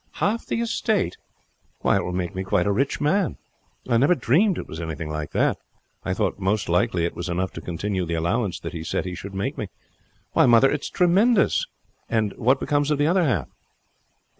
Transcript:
"Half the estate! Why, it will make me quite a rich man. I never dreamed it was anything like that. I thought most likely it was enough to continue the allowance that he said he should make me. Why, mother, it is tremendous! And what becomes of the other half?"